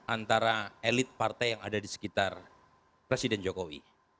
antara elit partai yang ada di sekitar presiden jokowi